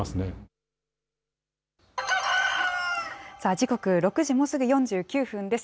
時刻６時、もうすぐ４９分です。